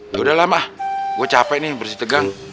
yaudah lah mah gue capek nih bersih tegang